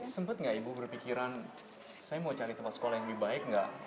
sempat nggak ibu berpikiran saya mau cari tempat sekolah yang lebih baik nggak